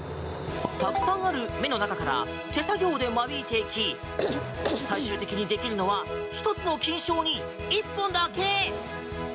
たくさんある芽の中から手作業で間引いていき最終的にできるのは１つの菌床に１本だけ。